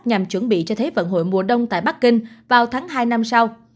nhằm chuẩn bị cho thế vận hội mùa đông tại bắc kinh vào tháng hai năm sau